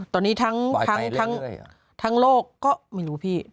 ตอนนี้ทั้งโลกก็ไม่รู้พี่